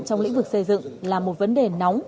trong lĩnh vực xây dựng là một vấn đề nóng